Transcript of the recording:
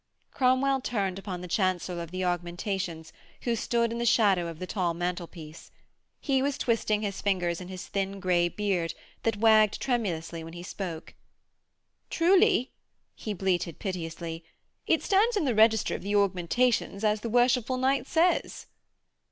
Cromwell turned upon the Chancellor of the Augmentations who stood in the shadow of the tall mantelpiece. He was twisting his fingers in his thin grey beard that wagged tremulously when he spoke. 'Truly,' he bleated piteously, 'it stands in the register of the Augmentations as the worshipful knight says.'